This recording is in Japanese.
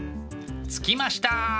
着きました。